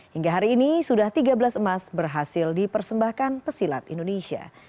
hingga hari ini sudah tiga belas emas berhasil dipersembahkan pesilat indonesia